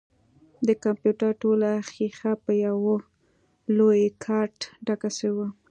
د کمپيوټر ټوله ښيښه په يوه لوى کارت ډکه سوې وه.